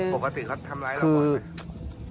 ปกติครับทำร้ายเราก่อน